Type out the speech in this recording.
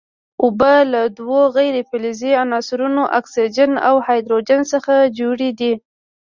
اوبه له دوو غیر فلزي عنصرونو اکسیجن او هایدروجن څخه جوړې دي.